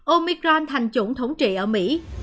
omicron thành chủng thống trị ở mỹ